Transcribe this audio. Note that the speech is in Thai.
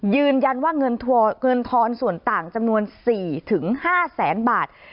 ยืนยันว่าเงินทอนส่วนต่างจำนวน๔๕แสนบาท